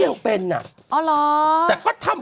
แต่ก็ยังเป็นอย่างงั้นอยู่ไหม